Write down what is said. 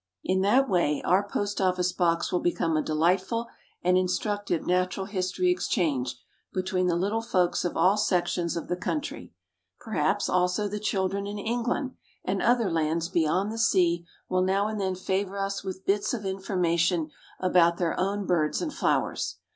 In that way our Post office Box will become a delightful and instructive natural history exchange between the little folks of all sections of the country. Perhaps, also, the children in England and other lands beyond the sea will now and then favor us with bits of information about their own birds and flowers.